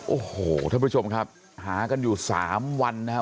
โอ้โหท่านผู้ชมครับหากันอยู่๓วันนะครับ